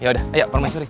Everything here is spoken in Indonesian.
yaudah ayo permaisuri